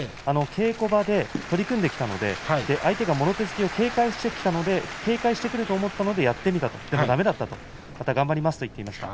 稽古場で取り組んできたので相手がもろ手突きを警戒してきたので警戒してくると思ったのでやってみた、でもだめだったと言っていました。